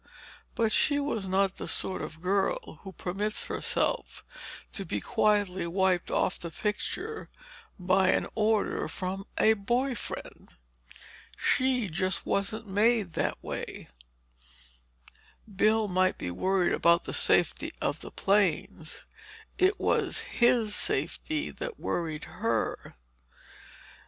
But she was not the sort of girl who permits herself to be quietly wiped off the picture by an order from a boy friend! She just wasn't made that way. Bill might be worried about the safety of the planes; it was his safety that worried her.